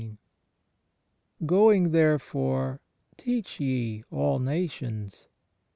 Going there fore, teach ye all nations.